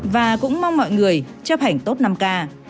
và cũng mong mọi người chấp hành tốt năm k